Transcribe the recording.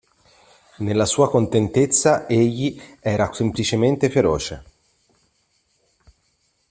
Nella sua contentezza egli era semplicemente feroce.